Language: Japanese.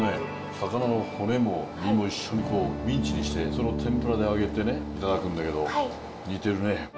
魚の骨も身も一緒にミンチにしてそれを天ぷらで揚げてねいただくんだけど似てるね。